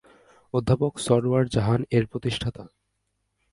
অধ্যাপক সরওয়ার জাহান এর প্রতিষ্ঠাতা।